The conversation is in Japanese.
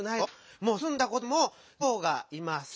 もうすんだことでもゾウが「います」。